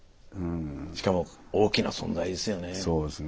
しかも大きな存在ですよね。